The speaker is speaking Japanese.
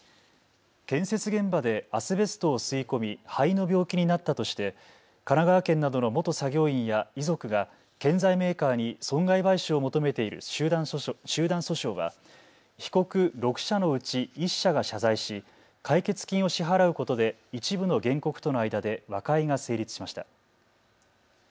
建設現場でアスベストを吸い込み肺の病気になったとして神奈川県などの元作業員や遺族が建材メーカーに損害賠償を求めている集団訴訟は被告６社のうち１社が謝罪し解決金を支払うことで一部の原告との間で和解が成立しました。